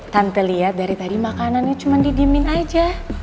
tante lihat dari tadi makanannya cuma didiemin aja